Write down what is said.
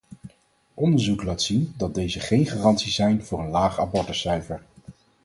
Onderzoek laat zien dat deze geen garantie zijn voor een laag abortuscijfer.